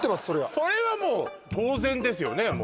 それはそれはもう当然ですよね